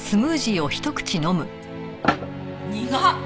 苦っ！